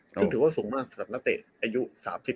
ซึ่งถือว่าสูงมากสำหรับเด็กอายุ๓๐ปี